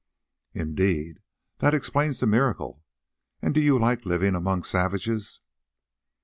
"Indeed, that explains the miracle. And do you like living among savages?"